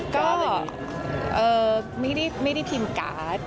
ก็ไม่ได้พิมพ์การ์ด